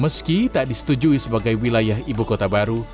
meski tak disetujui sebagai wilayah ibu kota baru